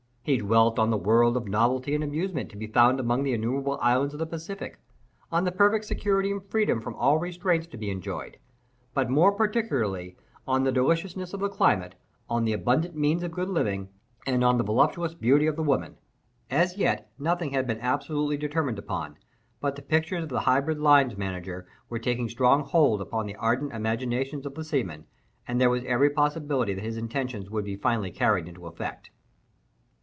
He dwelt on the world of novelty and amusement to be found among the innumerable islands of the Pacific, on the perfect security and freedom from all restraint to be enjoyed, but, more particularly, on the deliciousness of the climate, on the abundant means of good living, and on the voluptuous beauty of the women. As yet, nothing had been absolutely determined upon; but the pictures of the hybrid line manager were taking strong hold upon the ardent imaginations of the seamen, and there was every possibility that his intentions would be finally carried into effect.